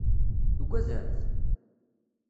Tugademt?